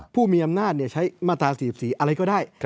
ผู้มีอำนาจใช้มาตรา๔๔อะไรก็ได้